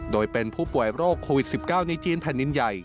โดยเป็นผู้ป่วยโรคโควิด๑๙ในจีนแผ่นดินใหญ่